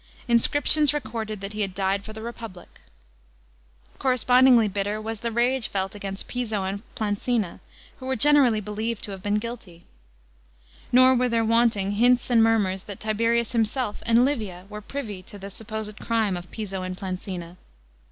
Inscriptions recorded that he had *« d5cd fctf tho fcpu. lie.'3 Corre spondingly bitter was the rage felt agdnr.it Tiso and Plandna, who were generally Relieved to have been guilty. N^r were there wanting hints and murmurs that Tiberius Limse^f and Livia wcrt privy to the supposed crime of Piso and Planuina.